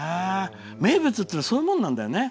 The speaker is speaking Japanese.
名物ってそういうもんなんだよね。